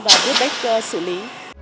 và biết cách xử lý